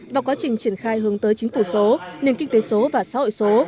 và quá trình triển khai hướng tới chính phủ số nền kinh tế số và xã hội số